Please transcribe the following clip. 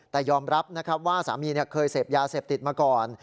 แต่ยอมรับนะครับว่าสามีเคยเสพยาเสพติดมาก่อน